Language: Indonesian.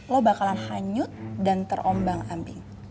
lo bakalan hanyut dan terombang ambing